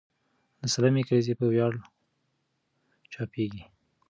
د سلمې کلیزې په ویاړ چاپېږي.